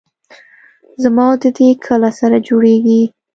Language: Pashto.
زما او د دې کله سره جوړېږي.